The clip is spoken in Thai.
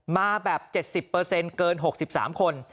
มาแบบ๗๐เกิน๖๓คน